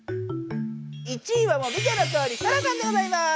１位はもう見てのとおりソラさんでございます。